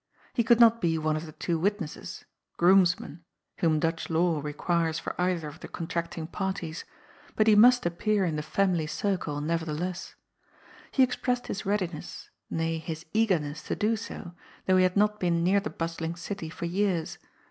He could not be one of the two witnesses — ^groomsmen — whom Dutch law re quires for either of the contracting parties, but he must appear in the '^ family circle " neyertheless. He expressed his readiness — ^nay, his eagerness — to do so, though he had not been near the bustling city for years.